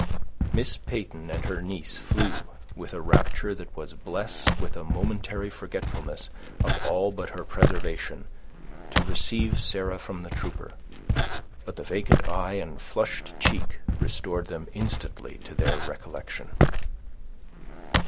Miss Peyton and her niece flew, with a rapture that was blessed with a momentary forgetfulness of all but her preservation, to receive Sarah from the trooper; but the vacant eye and flushed cheek restored them instantly to their recollection.